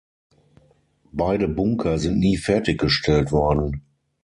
Beide Bunker sind nie fertiggestellt worden.